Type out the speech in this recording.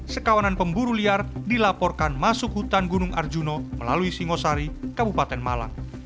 sekawanan pemburu liar dilaporkan masuk hutan gunung arjuno melalui singosari kabupaten malang